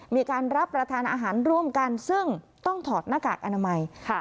มีการรับประทานอาหารร่วมกันซึ่งต้องถอดหน้ากากอนามัย